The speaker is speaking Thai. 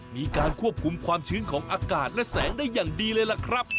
มีการควบคุมความชื้นของอากาศและแสงได้อย่างดีเลยล่ะครับ